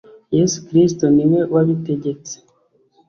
yesu kristo niwe wabitegetse.